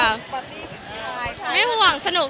ปาร์ตี้พี่ให่สนับสนุก